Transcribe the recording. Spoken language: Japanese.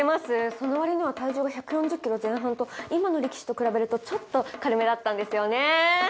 その割には体重が１４０ｋｇ前半と今の力士と比べるとちょっと軽めだったんですよねぇ。